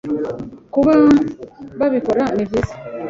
Kuba babikora ni byiza